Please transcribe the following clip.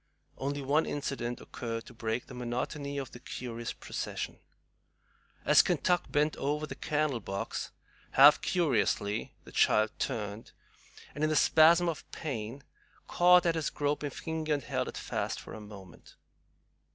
Only one incident occurred to break the monotony of the curious procession. As Kentuck bent over the candle box half curiously, the child turned, and, in a spasm of pain, caught at his groping finger, and held it fast for a moment.